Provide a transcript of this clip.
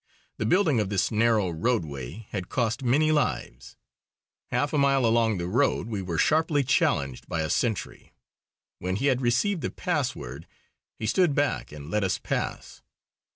The building of this narrow roadway had cost many lives. Half a mile along the road we were sharply challenged by a sentry. When he had received the password he stood back and let us pass.